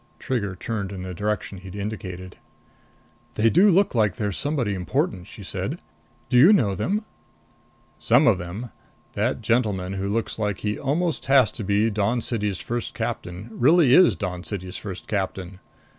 Trigger turned in the direction he'd indicated. "They do look like they're somebody important," she said. "Do you know them?" "Some of them. That gentleman who looks like he almost has to be the Dawn City's First Captain really is the Dawn City's First Captain.